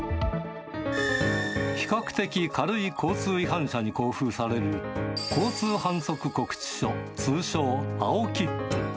比較的軽い交通違反者に交付される交通反則告知書、通称、青切符。